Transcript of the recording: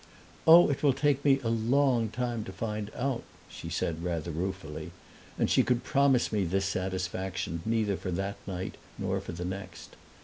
"Oh, it will take me a long time to find out!" she said, rather ruefully; and she could promise me this satisfaction neither for that night nor for the next.